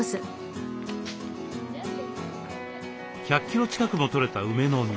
１００キロ近くもとれた梅の実。